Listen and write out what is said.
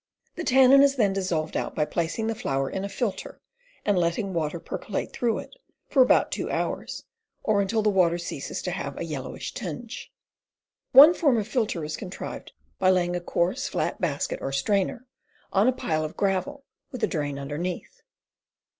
The tannin is then dissolved out by placing the flour in a filter and letting water percolate through it for about two hours, or until the water ceases to have a yellowish tinge. One form of filter is contrived by laying a coarse, flat basket or strainer on a pile of gravel with a drain underneath.